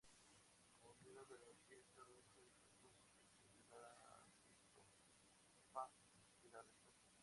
Como miembro de la Orquesta Roja despertó sospechas de la Gestapo que lo arrestó.